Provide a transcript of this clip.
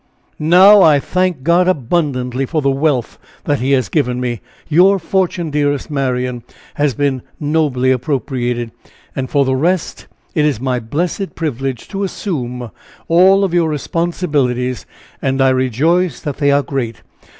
"Now, I thank God abundantly for the wealth that He has given me. Your fortune, dearest Marian, has been nobly appropriated and for the rest, it is my blessed privilege to assume all your responsibilities and I rejoice that they are great!